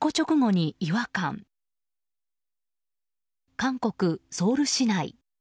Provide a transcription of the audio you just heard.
韓国ソウル市内。